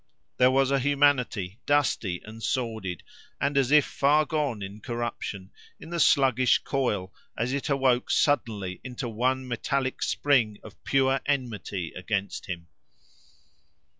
There was a humanity, dusty and sordid and as if far gone in corruption, in the sluggish coil, as it awoke suddenly into one metallic spring of pure enmity against him.